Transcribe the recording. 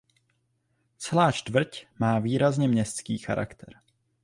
Celá čtvrť má výrazně městský charakter.